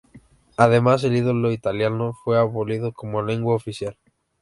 Además, el idioma italiano fue abolido como lengua oficial.